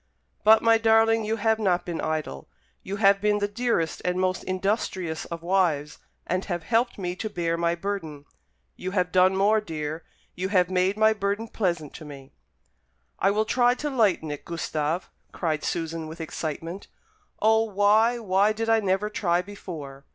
"But, my darling, you have not been idle. You have been the dearest and most industrious of wives, and have helped me to bear my burden. You have done more, dear you have made my burden pleasant to me." "I will try to lighten it, Gustave," cried Susan, with excitement. "O, why, why did I never try before!